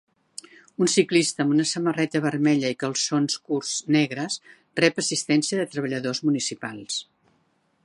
Un ciclista amb una samarreta vermella i calçons curts negres rep assistència de treballadors municipals.